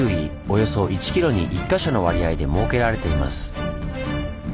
およそ１キロに１か所の割合で設けられています。